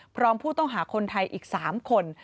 พร้อมผู้ต้องหาคนไทยอีก๓คน